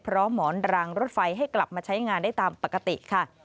หมอนรางรถไฟให้กลับมาใช้งานได้ตามปกติค่ะ